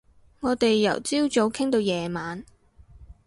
我哋由朝早傾到夜晚